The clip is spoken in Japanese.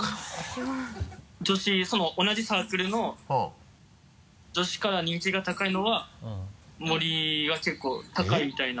同じサークルの女子から人気が高いのは森が結構高いみたいな。